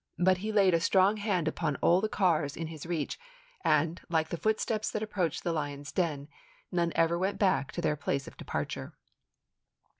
i. but he laid a strong hand upon all the cars in his reach, and, like the footsteps that approached the lion's den, none ever went back to their place of departure.